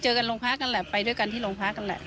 เจอกันลงพลาดกันแหละไปด้วยกันที่ลงพลาดกันแหละ